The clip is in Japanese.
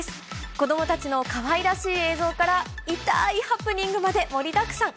子どもたちのかわいらしい映像からいたーいハプニングまで盛りだくさん。